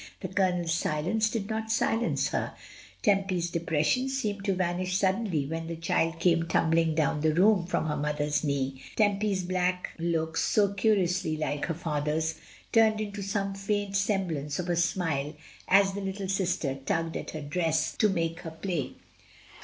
The Colonel's silence did not silence her. Tempy's depression seemed to vanish suddenly when the child came tumbling across the room from her mother's knee; Tempy's black looks (so curiously like her father's) turned into some faint semblance of a smile as the little sister tugged at her dress to make her play.